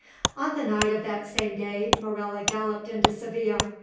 On the night of that same day Morella galloped into Seville.